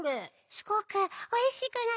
すごくおいしくなる。